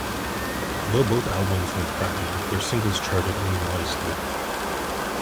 Although both albums went platinum, their singles charted only modestly.